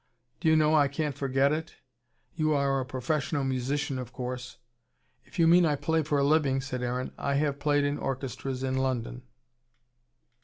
Do you know, I can't forget it. You are a professional musician, of course." "If you mean I play for a living," said Aaron. "I have played in orchestras in London."